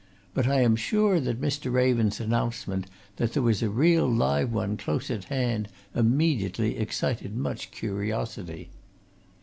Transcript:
but I am sure that Mr. Raven's announcement that there was a real live one close at hand immediately excited much curiosity.